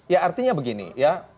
ya artinya begini ya